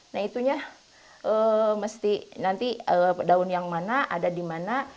nah itunya mesti nanti daun yang mana ada di mana